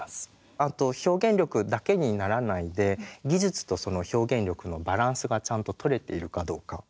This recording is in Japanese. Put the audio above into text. あと表現力だけにならないで技術と表現力のバランスがちゃんととれているかどうか。